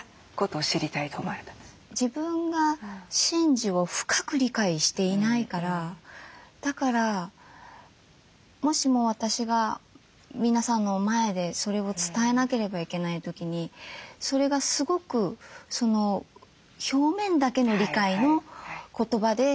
自分が神事を深く理解していないからだからもしも私が皆さんの前でそれを伝えなければいけない時にそれがすごく表面だけの理解の言葉で説明してしまう。